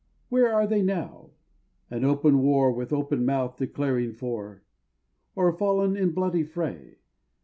Where are they now? an open war With open mouth declaring for? Or fall'n in bloody fray?